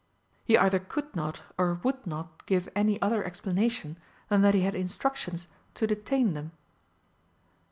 He either could not or would not give any other explanation than that he had instructions to detain them.